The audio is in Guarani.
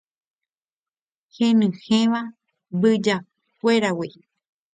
henyhẽva mbyjakuéragui